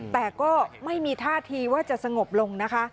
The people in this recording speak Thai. แต่ก็ไม่มีท่าทีว่าจะสงบลงนะคะ